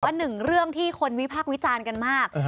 หนึ่งเรื่องที่คนวิพากษ์วิจารณ์กันมาก